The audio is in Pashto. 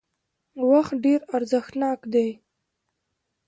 وخت ډېر ارزښتناک دی